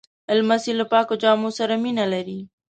لمسی له پاکو جامو سره مینه لري.